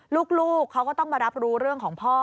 ลูกเขาก็ต้องมารับรู้เรื่องของพ่อ